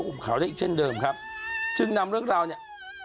ุ่มเขาได้อีกเช่นเดิมครับจึงนำเรื่องราวเนี่ย